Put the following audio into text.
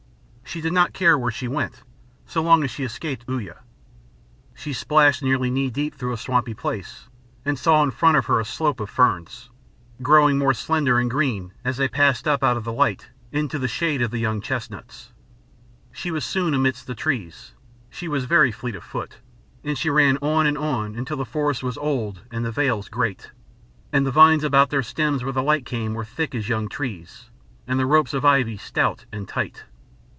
She did not care where she went so long as she escaped Uya. She splashed nearly knee deep through a swampy place, and saw in front of her a slope of ferns growing more slender and green as they passed up out of the light into the shade of the young chestnuts. She was soon amidst the trees she was very fleet of foot, and she ran on and on until the forest was old and the vales great, and the vines about their stems where the light came were thick as young trees, and the ropes of ivy stout and tight.